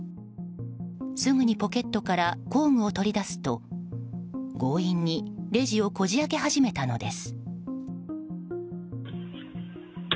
すぐにポケットから工具を取り出すと強引にレジをこじ開け始めたのです。